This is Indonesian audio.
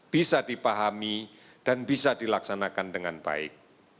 bisa dipahami dan bisa dilaksanakan dengan baik